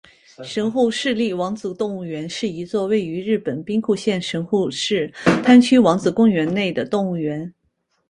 神户市立王子动物园是一座位于日本兵库县神户市滩区王子公园内的动物园。